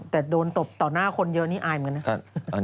แต่โดนตบต่อหน้าคนเยอะนี่อายเหมือนกันนะครับ